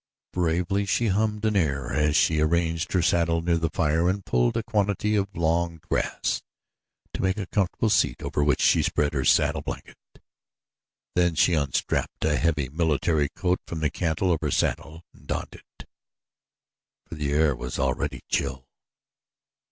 Bravely she hummed an air as she arranged her saddle near the fire and pulled a quantity of long grass to make a comfortable seat over which she spread her saddle blanket. Then she un strapped a heavy, military coat from the cantle of her saddle and donned it, for the air was already chill.